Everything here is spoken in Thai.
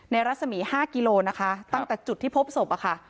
รัศมี๕กิโลนะคะตั้งแต่จุดที่พบศพอะค่ะ